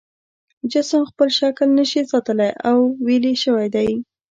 جسم خپل شکل نشي ساتلی او ویلې شوی دی.